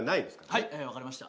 はいわかりました。